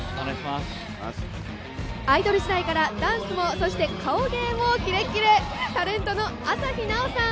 アイドル時代からダンスもそして顔芸もキレッキレタレントの朝日奈央さん。